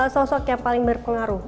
sosok yang paling berpengaruh